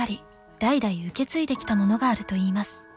代々受け継いできたものがあるといいます。